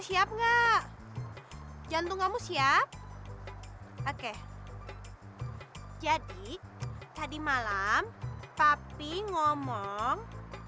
siap enggak jantung kamu siap oke jadi tadi malam tapi ngomong